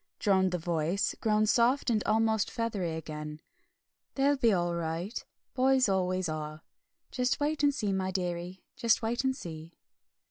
droned the voice, grown soft and almost feathery again. "They'll be all right boys always are. Just wait and see, my dearie, just wait and see."